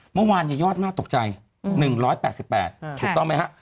เมื่อวานยอดน่าตกใจ๑๘๘ถูกต้องไหมฮะ